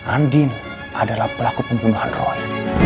andin adalah pelaku pembunuhan roy